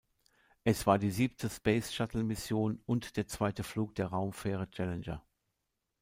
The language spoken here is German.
Es war die siebte Space-Shuttle-Mission und der zweite Flug der Raumfähre Challenger.